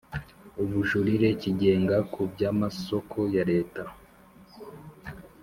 Ubujurire Kigenga ku byamasoko ya Leta